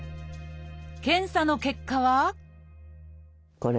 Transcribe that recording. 検査の結果はええ！